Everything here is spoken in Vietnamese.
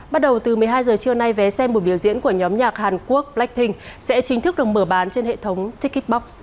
bắt đầu từ một mươi hai h trưa nay vé xem buổi biểu diễn của nhóm nhạc hàn quốc blackpink sẽ chính thức được mở bán trên hệ thống tikip box